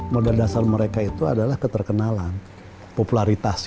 modal dasar mereka itu adalah keterkenalan popularitas